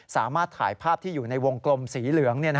สามารถถ่ายภาพที่อยู่ในวงกลมสีเหลือง